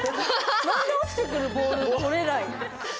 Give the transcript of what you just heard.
何で落ちてくるボール取れない。